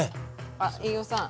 あ飯尾さん。